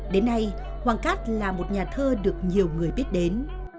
đến nay hoàng cát là một nhà thơ được nhiều người biết đến